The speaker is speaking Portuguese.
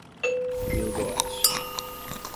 Rio do Oeste